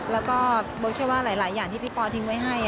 แล้วก็ไม่ว่าจะว่าหลายอย่างที่พี่ปอล์ทิ้งไว้ให้